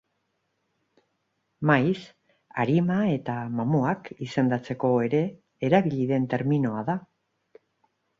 Maiz, arima eta mamuak izendatzeko ere erabili den terminoa da.